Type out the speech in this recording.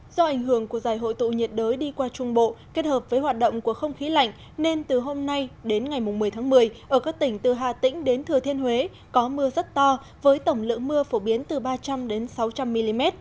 do ảnh hưởng của giải hội tụ nhiệt đới đi qua trung bộ kết hợp với hoạt động của không khí lạnh nên từ hôm nay đến ngày một mươi tháng một mươi ở các tỉnh từ hà tĩnh đến thừa thiên huế có mưa rất to với tổng lượng mưa phổ biến từ ba trăm linh sáu trăm linh mm